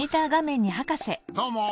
どうも。